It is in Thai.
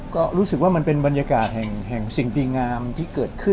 ก็รู้สึกว่ามันเป็นบรรยากาศแห่งสิ่งดีงามที่เกิดขึ้น